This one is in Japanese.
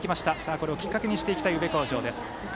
これをきっかけにしていきたい宇部鴻城です。